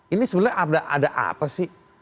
ini sebenarnya ada apa sih